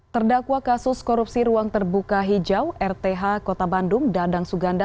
terdakwa kasus korupsi ruang terbuka hijau rth kota bandung dadang suganda